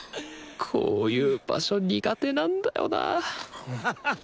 こういう場所苦手なんだよなハハハ